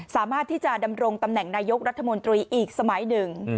สามารถที่จะดำรงตำแหน่งนายกรัฐมนตรีอีกสมัยหนึ่ง